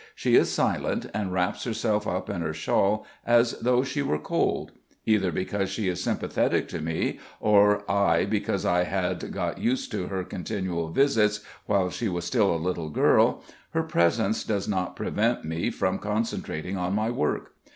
She is silent, and wraps herself up in her shawl as though she were cold. Either because she is sympathetic to me, or I because I had got used to her continual visits while she was still a little girl, her presence does not prevent me from concentrating on my work.